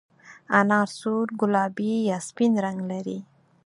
انار سور، ګلابي یا سپین رنګ لري.